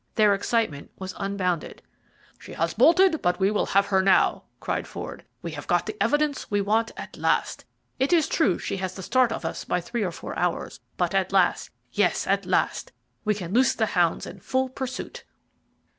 Their excitement was unbounded. "She has bolted, but we will have her now," cried Ford. "We have got the evidence we want at last. It is true she has the start of us by three or four hours; but at last yes, at last we can loose the hounds in full pursuit."